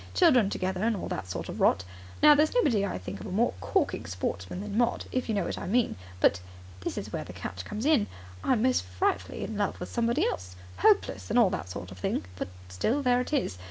Children together, and all that sort of rot. Now there's nobody I think a more corking sportsman than Maud, if you know what I mean, but this is where the catch comes in I'm most frightfully in love with somebody else. Hopeless, and all that sort of thing, but still there it is.